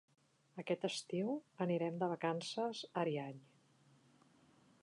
Aquest estiu anirem de vacances a Ariany.